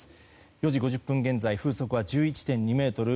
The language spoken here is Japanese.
４時５０分現在風速は１１．２メートル。